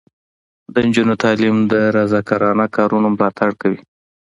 د نجونو تعلیم د رضاکارانه کارونو ملاتړ کوي.